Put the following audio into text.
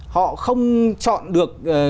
họ không chọn được